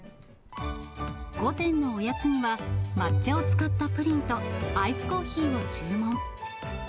午前のおやつには、抹茶を使ったプリンと、アイスコーヒーを注文。